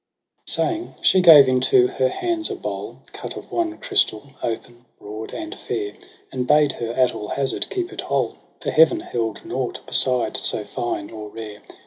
zo Saying, she gave into her hands a bowl Cut of one crystal, open, broad and fair j And bade her at all hazard keep it whole. For heaven held nought beside so fine or rare.